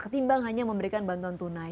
ketimbang hanya memberikan bantuan tunai